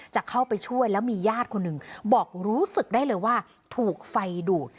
จะเข้าไปช่วยแล้วมีญาติคนหนึ่งบอกรู้สึกได้เลยว่าถูกไฟดูด